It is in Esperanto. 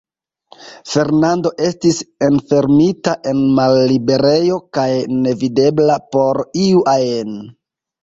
Fernando estis enfermita en malliberejo, kaj nevidebla por iu ajn.